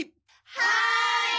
はい！